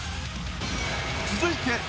続いて。